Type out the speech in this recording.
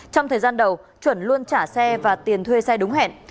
trong thời gian đầu chuẩn luôn trả xe và tiền thuê xe đúng hẹn